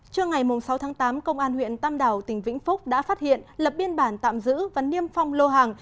trưa ngày sáu tháng tám công an huyện tam đảo tỉnh vĩnh phúc đã phát hiện lập biên bản tạm giữ và niêm phong lô hàng